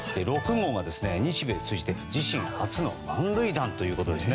６号は、日米通じて自身初の満塁弾ということです。